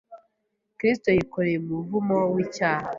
Kristo yikoreye umuvumo w’icyaha,